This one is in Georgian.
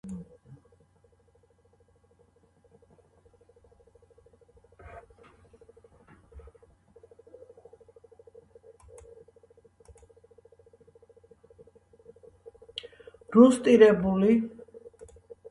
რუსტირებული პილასტრებით, ბალუსტრადით და კბილებიანი კარნიზით შემკული სამრეკლო ქუთაისის საზოგადოებრივ და საცხოვრებელ ნაგებობებს ეხმიანება.